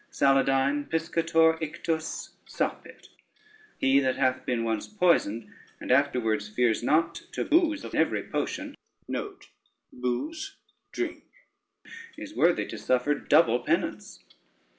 Saladyne, piscator ictus sapit, he that hath been once poisoned and afterwards fears not to bowse of every potion, is worthy to suffer double penance.